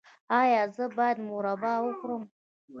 ایا زه باید مربا وخورم؟